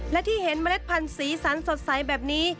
และที่เห็นเมล็ดพันธุ์สีสันสดใสแบบนี้